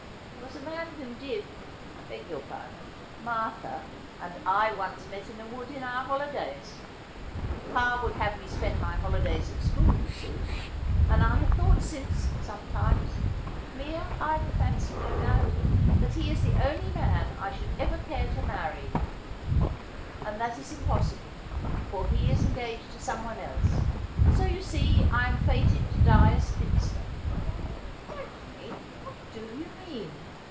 ' There was a man whom Dibb — I beg your pardon, Martha — and I once met in a wood in our holidays — papa would have me spend my holidays at school, you see — and I have thought since, sometimes — mere idle fancy, no doubt — that he is the only man I should ever care to marry ; and that 'Curteis She was, Discrete, and Debonaire,' 49 is impossible, for he is engaged to someone else. So you see I am fated to die a spinster.' ' Daphne, what do you mean